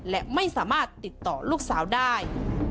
และไม่สามารถติดต่อลูกสาวได้